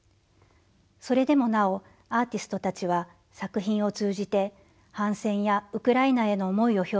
それでもなおアーティストたちは作品を通じて反戦やウクライナへの思いを表現しています。